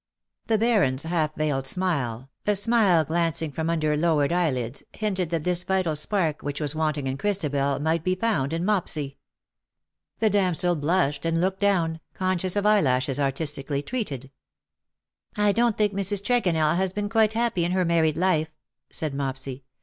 ''^ The Baron^s half veiled smile, a smile glancing from under lowered eyelids, hinted that this vital spark w^hich was wanting in Christabel might be found in Mopsy. The damsel blushed, and looked down, conscious of eyelashes artistically treated. "I don't think Mrs.Tregonell has been quite happy in her married life,^^ said Mopsy.